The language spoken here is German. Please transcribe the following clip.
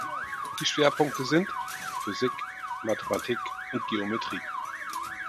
Die Schwerpunkte sind: Physik, Mathematik und Geometrie.